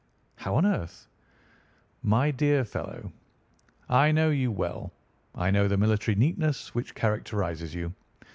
"How on earth—" "My dear fellow, I know you well. I know the military neatness which characterises you.